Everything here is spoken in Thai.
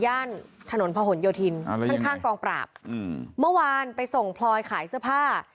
ย่านถนนพะหนโยธินข้างข้างกองปราบอืมเมื่อวานไปส่งพลอยขายเสื้อผ้า